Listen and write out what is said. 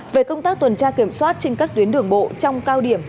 về công tác tuần tra kiểm soát trên các tuyến đường bộ trong cao điểm